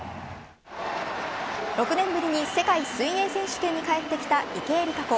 ６年ぶりに世界水泳選手権に帰ってきた池江璃花子。